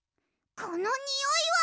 このにおいは！